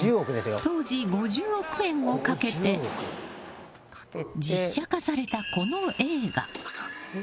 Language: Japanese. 当時５０億円をかけて実写化された、この映画。